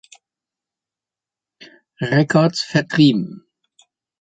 Records vertrieben.